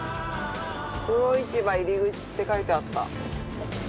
魚市場入口って書いてあった。